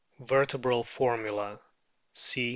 Vertebral formula: C.